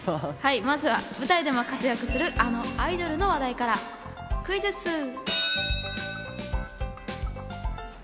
まずは舞台でも活躍する、あのアイドルの話題からクイズッス！